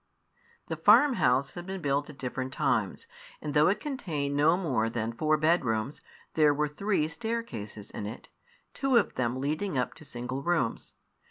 The farm house had been built at different times, and though it contained no more than four bedrooms, there were three staircases in it, two of them leading up to single rooms.